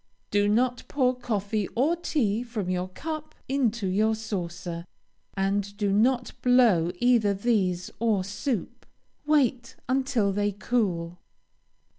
Do not pour coffee or tea from your cup into your saucer, and do not blow either these or soup. Wait until they cool.